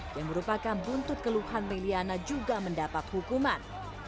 yang merupakan buntut keluhan may liana juga mendapat hukuman